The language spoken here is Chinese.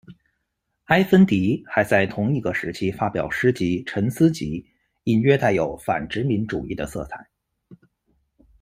埃芬迪还在同一个时期发表诗集《沉思集》隐约带有反殖民主义的色彩。